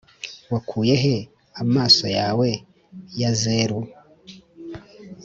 wakuye he amaso yawe ya zeru?